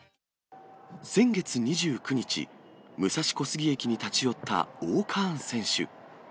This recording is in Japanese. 先月２９日、武蔵小杉駅に立ち寄ったＯーカーン選手。